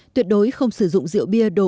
tuyệt đối không sử dụng rượu bia đồ